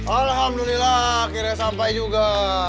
alhamdulillah akhirnya sampai juga